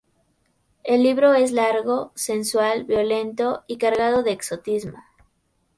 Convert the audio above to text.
El libro es largo, sensual, violento y cargado de exotismo.